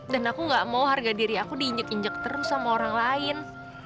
dan aku gak mau harga diri aku diinyek inyek terus sama orang lain